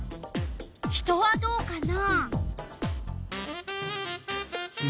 人はどうかな？